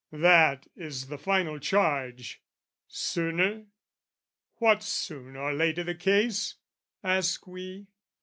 That is the final charge. Sooner? What's soon or late i' the case? ask we.